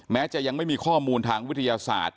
แม้จะยังไม่มีข้อมูลทางวิทยาศาสตร์